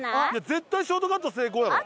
絶対ショートカット成功やろ。